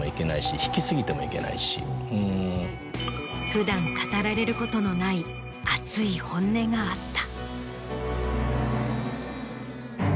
普段語られることのない熱い本音があった。